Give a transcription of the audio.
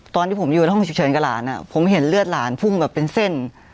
ตอนที่ผมอยู่ในห้องฉุกเฉินกับหลานผมเห็นเลือดหลานพุ่งแบบเป็นเส้น